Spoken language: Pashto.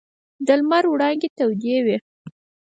د لمر وړانګې تودې وې.